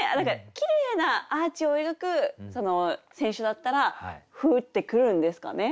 きれいなアーチを描く選手だったら降ってくるんですかね。